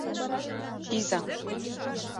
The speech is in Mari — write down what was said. — Чийза.